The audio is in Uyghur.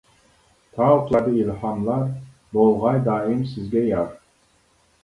تاغ تۇرادا ئىلھاملار، بولغاي دائىم سىزگە يار.